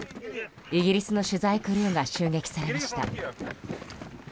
イギリスの取材クルーが襲撃されました。